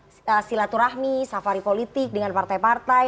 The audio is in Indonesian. ada temuan silaturahmi safari politik dengan partai partai